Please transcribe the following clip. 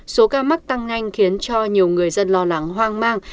số ca mắc tăng nhanh khiến cho nhiều người dân lo lắng hoang mang